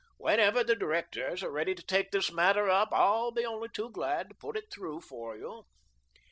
"Whenever the Directors are ready to take that matter up, I'll be only too glad to put it through for you."